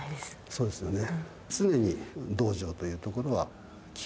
そうですよね。